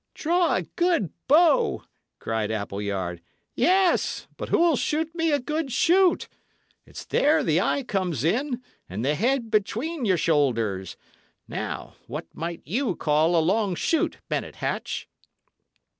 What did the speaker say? "Draw a good bow!" cried Appleyard. "Yes! But who'll shoot me a good shoot? It's there the eye comes in, and the head between your shoulders. Now, what might you call a long shoot, Bennet Hatch?"